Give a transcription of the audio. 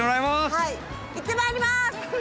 はい行ってまいります！